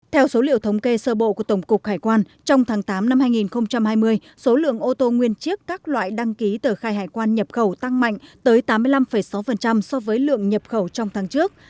theo số liệu thống kê sơ bộ của tổng cục hải quan trong tháng tám năm hai nghìn hai mươi số lượng ô tô nguyên chiếc các loại đăng ký tờ khai hải quan nhập khẩu tăng mạnh tới tám mươi năm sáu so với lượng nhập khẩu trong tháng trước